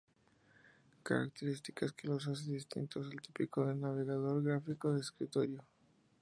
Características que los hace distintos al típico navegador gráfico de escritorio.